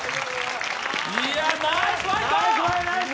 ナイスファイト！